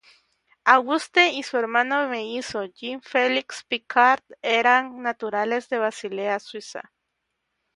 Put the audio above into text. Auguste y su hermano mellizo Jean Felix Piccard eran naturales de Basilea, Suiza.